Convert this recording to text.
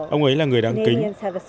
ông ấy là người đáng kính